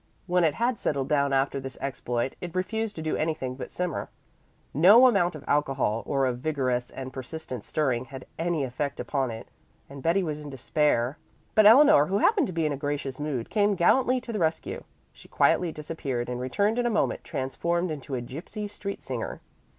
When it had settled down after this exploit, it refused to do anything but simmer. No amount of alcohol or of vigorous and persistent stirring had any effect upon it, and Betty was in despair. But Eleanor, who happened to be in a gracious mood, came gallantly to the rescue. She quietly disappeared and returned in a moment, transformed into a gypsy street singer.